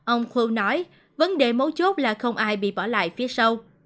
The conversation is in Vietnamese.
ông khô nói vấn đề mấu chốt là không ai bị bỏ lại phía sau